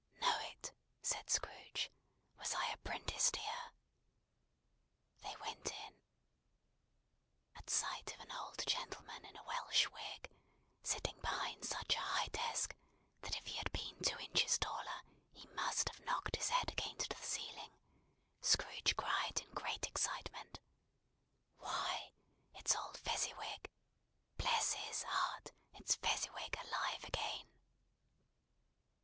"Know it!" said Scrooge. "Was I apprenticed here!" They went in. At sight of an old gentleman in a Welsh wig, sitting behind such a high desk, that if he had been two inches taller he must have knocked his head against the ceiling, Scrooge cried in great excitement: "Why, it's old Fezziwig! Bless his heart; it's Fezziwig alive again!"